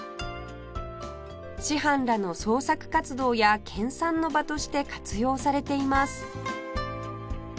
師範らの創作活動や研鑽の場として活用されています